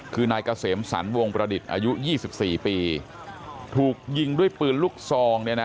คือนายกะเสมสรรวงประดิษฐ์อายุยี่สิบสี่ปีถูกยิงด้วยปืนลูกซองเนี้ยนะ